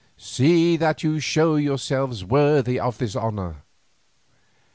See that you show yourselves worthy of this honour.